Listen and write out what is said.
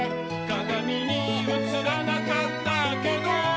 「かがみにうつらなかったけど」